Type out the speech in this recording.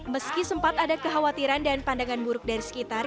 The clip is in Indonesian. meski sempat ada kekhawatiran dan pandangan buruk dari sekitar